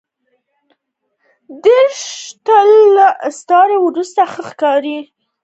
دریشي تل له استري وروسته ښه ښکاري.